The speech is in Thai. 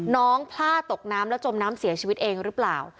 พลาดตกน้ำแล้วจมน้ำเสียชีวิตเองหรือเปล่า